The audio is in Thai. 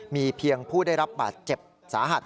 มีเพียงผู้ได้รับบาดเจ็บสาหัส